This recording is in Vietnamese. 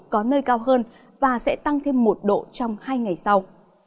có nơi cao hơn và sẽ tăng thêm một độ trong hai ngày sau